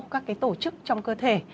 các cái tổ chức trong cơ thể